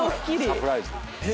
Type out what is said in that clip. サプライズ。